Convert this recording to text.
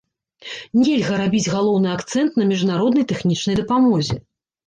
Нельга рабіць галоўны акцэнт на міжнароднай тэхнічнай дапамозе.